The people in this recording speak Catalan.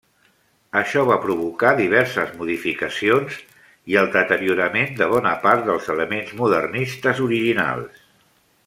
Això va provocar diverses modificacions i el deteriorament de bona part dels elements modernistes originals.